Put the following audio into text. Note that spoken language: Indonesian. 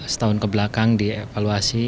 setahun kebelakang dievaluasi